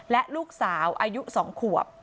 และลูกสาวอายุ๒ขวบ